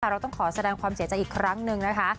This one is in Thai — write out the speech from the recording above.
เราต้องขอแสดงความเสียใจอีกครั้งหนึ่งนะคะ